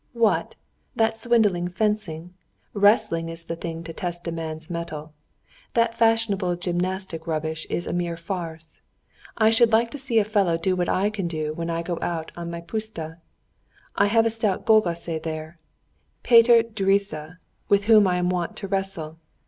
"What! That swindling fencing! Wrestling is the thing to test a man's mettle. That fashionable gymnastic rubbish is a mere farce. I should like to see a fellow do what I can do when I go out on my puszta. I have a stout gulgásy there, Peter Gyuricza, with whom I am wont to wrestle.